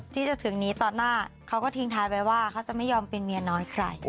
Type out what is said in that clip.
ที่จะถึงนี้ต่อหน้าเขาก็ทิ้งท้ายไว้ว่าเขาจะไม่ยอมเป็นเมียน้อยใคร